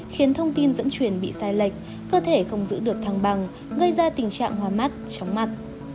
khiến thông tin dẫn truyền bị sai lệch cơ thể không giữ được thăng bằng gây ra tình trạng hoa mắt chóng mặt